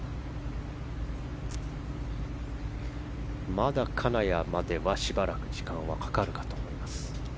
まだ金谷までは、しばらく時間はかかるかと思います。